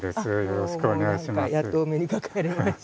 よろしくお願いします。